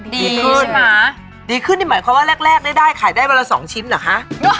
ดีขึ้นใช่ไหมดีขึ้นนี่หมายความว่าแรกได้ขายได้วันละสองชิ้นเหรอคะ